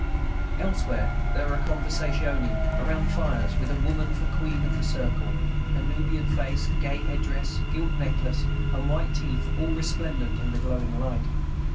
Elsewhere, there are conversazioni around fires, with a woman for queen of the circle, her Nubian face, gay headdress, gilt necklace, and white teeth, all resplendent in the glowing light.